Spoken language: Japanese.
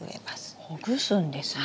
ほぐすんですね。